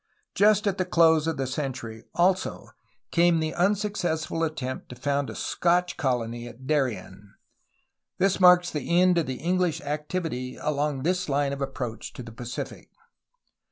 Just at the close of the century, also, came the unsuccessful attempt to found a Scotch colony at Darien. This marks the end of English activity along this line of approach to the Pacific.